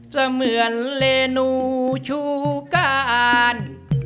เสมือนเรนูชูการ